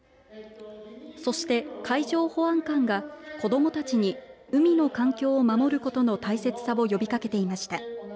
そして、海上保安官が子どもたちに海の環境を守ることの大切さを呼びかけていました。